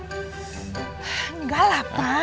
enggak lah pak